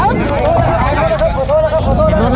สวัสดีครับทุกคน